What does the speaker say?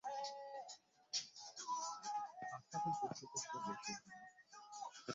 হাসপাতাল কর্তৃপক্ষ বেশ উদ্বিগ্ন!